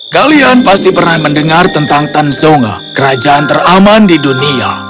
kalian pasti pernah mendengar tentang tan zonga kerajaan teraman di dunia